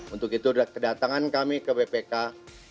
untuk itu kedatangan kami ke bpk untuk mencari kebenaran